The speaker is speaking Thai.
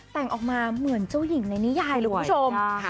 แต่งออกมาเหมือนเจ้าหญิงในนิยายเลยคุณผู้ชม